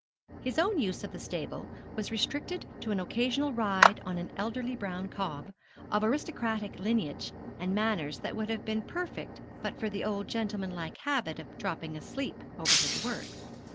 His own use of the stable was restricted to an occasional ride on an elderly brown cob, of aristocratic lineage and manners that would have been perfect but for the old gentleman like habit of dropping asleep over his work.